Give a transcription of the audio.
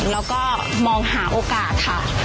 แล้วก็มองหาโอกาสค่ะ